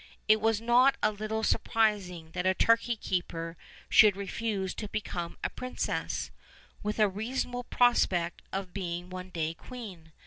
It was not a little surprising that a turkey keeper should refuse to become a princess, with a reasonable prospect of being one day queen.